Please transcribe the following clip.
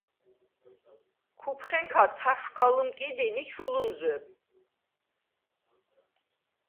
ქუფხენქა თაშვ ქა ლჷმკიდინ ი ჩუ ლჷმზვებ.